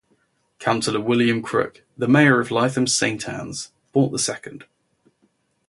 Councillor William Crook, the mayor of Lytham Saint Anne's, bought the second.